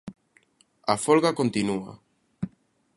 A folga continúa.